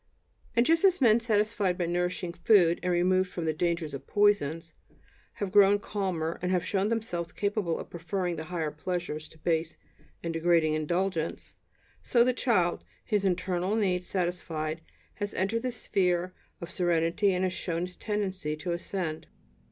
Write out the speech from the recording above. And just as men satisfied by nourishing food and removed from the dangers of poisons, have grown calmer, and have shown themselves capable of preferring the higher pleasures to base and degrading indulgence, so the child, his internal needs satisfied, has entered the sphere of serenity and has shown his tendency to ascend.